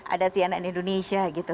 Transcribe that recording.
ada cnn indonesia gitu